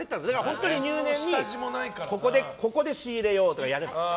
本当に入念にここで仕入れようとかやれば。